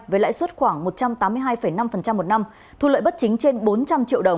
với lãi suất khoảng một trăm tám mươi hai năm một năm thu lợi bất chính trên bốn trăm linh triệu đồng